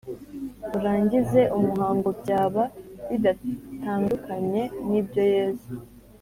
urangize umuhango byaba bidatandukanye n’ibyo yezu